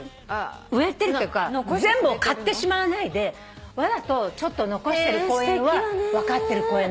植えてるっていうか全部を刈ってしまわないでわざとちょっと残してる公園は分かってる公園なんだ。